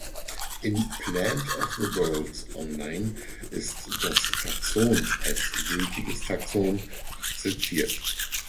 In Plant of the Worlds online ist das Taxon als gültiges Taxon akzeptiert.